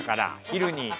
昼に。